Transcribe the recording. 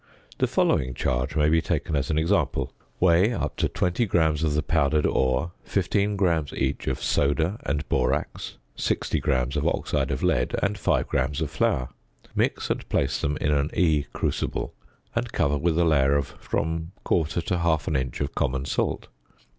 The following charge may be taken as an example: weigh up 20 grams of the powdered ore, 15 grams each of "soda" and borax, 60 grams of oxide of lead, and 5 grams of flour. Mix and place them in an E crucible, and cover with a layer of from a quarter to half an inch of common salt.